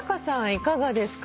いかがですか？